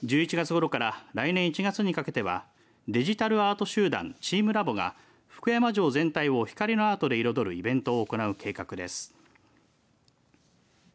１１月ごろから来年１月にかけてはデジタルアート集団チームラボが福山城全体を光のアートで彩るイベントを行う計画です。